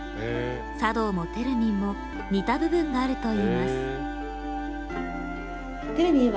茶道もテルミンも似た部分があるといいます。